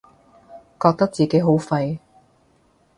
覺得自己好廢